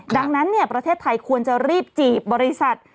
ดังนั้นประเทศไทยควรจะรีบจีบบริษัท